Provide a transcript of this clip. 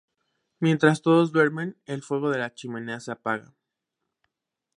Mientras todos duermen, el fuego de la chimenea se apaga.